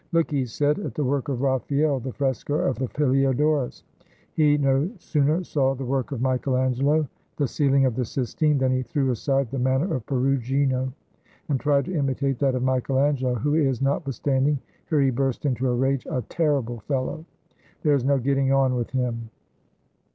"Look," he said, "at the work of Raphael! [the fresco of the Heliodorus.] He no sooner saw the work of Michael Angelo [the ceiling of the Sistine] than he threw aside the manner of Perugino and tried to imitate that of Michael Angelo, who is, notwithstanding [here he burst into a rage], a terrible fellow. There is no getting on with him!"